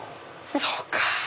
そうか。